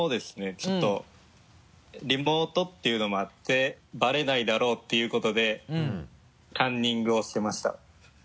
ちょっとリモートっていうのもあってバレないだろうっていうことでカンニングをしてました。